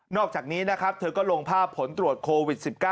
นอกจากนี้เธอก็ลงภาพผลตรวจโควิด๑๙